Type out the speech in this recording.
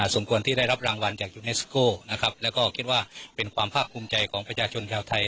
สมควรที่ได้รับรางวัลจากยูเนสโก้นะครับแล้วก็คิดว่าเป็นความภาคภูมิใจของประชาชนชาวไทย